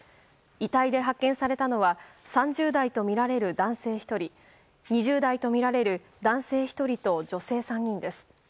遺体で発見されたのは３０代とみられる男性１人２０代とみられる男性１人と女性３人です。